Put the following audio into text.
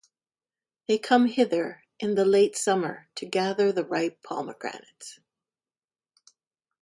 They come hither in the late summer to gather the ripe pomegranates.